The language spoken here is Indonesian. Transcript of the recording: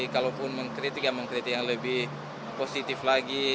kalaupun mengkritik ya mengkritik yang lebih positif lagi